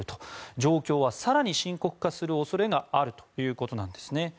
状況は更に深刻化する恐れがあるということなんですね。